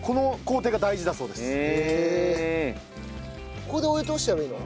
ここでお湯通しちゃえばいいの？